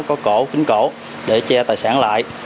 có cổ kính cổ để che tài sản lại